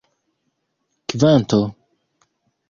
kvanto